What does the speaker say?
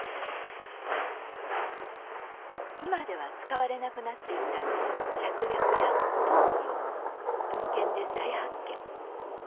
今では使われなくなっていた芍薬や当帰を文献で再発見。